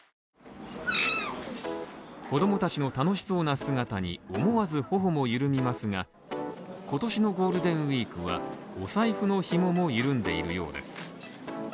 子供たちの楽しそうな姿に思わず頬も緩みますが、今年のゴールデンウィークはお財布の紐も緩んでいるようです。